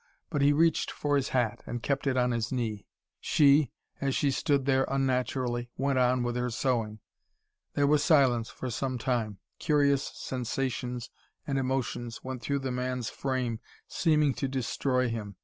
But he reached for his hat, and kept it on his knee. She, as she stood there unnaturally, went on with her sewing. There was silence for some time. Curious sensations and emotions went through the man's frame seeming to destroy him.